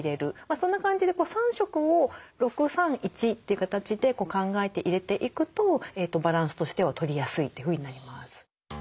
そんな感じで３色を６３１って形で考えて入れていくとバランスとしては取りやすいというふうになります。